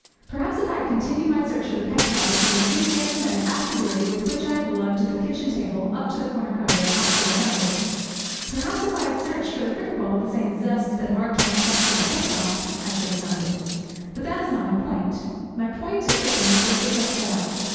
Perhaps if I had continued my search for the peg top with the enthusiasm and assiduity with which I had lugged the kitchen table up to the corner cupboard, I should have found it. Perhaps if I had searched for the cricket ball with the same zest that marked my quest of the peg top, I should have found it. But that is not my point. My point is the point with which I set out.